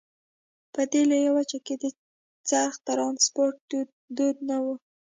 په دې لویه وچه کې د څرخ ټرانسپورت دود نه وو.